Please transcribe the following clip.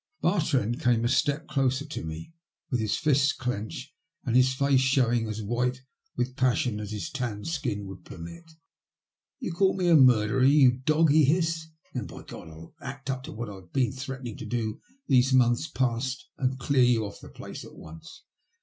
Bartrand came a step closer to me, with his fists MY CHANCE IN LIFB. 11 clenched and bis face showing as white with passion as his tanned skin would permit. " You call me a murderer, you dog ?" he hissed. " Then, by God, I'll act up to what I've been threat ening to do these months past and clear you off the place at once.